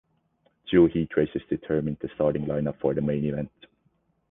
Two heat races determined the starting lineup for the main event.